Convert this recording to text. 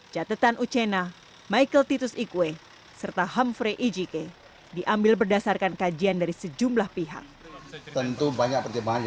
jatetan uchena michael titus ikwe serta humphrey ijike diambil berdasarkan kajian dari sejumlah pihak